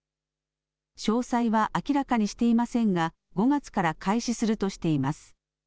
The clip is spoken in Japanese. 詳細は明らかにしていませんが５月から開始するとしています。